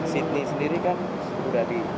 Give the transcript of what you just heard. sydney sendiri kan sudah di